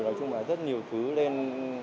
nói chung là rất nhiều thứ lên